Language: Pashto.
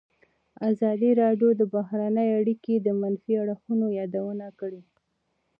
ازادي راډیو د بهرنۍ اړیکې د منفي اړخونو یادونه کړې.